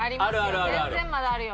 全然まだあるよ。